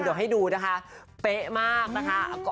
เดี๋ยวให้ดูนะคะเป๊ะมากนะคะ